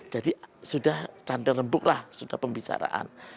jadi sudah cantik lembuklah sudah pembicaraan